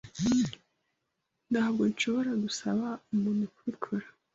Ntabwo nshobora gusaba umuntu kubikora.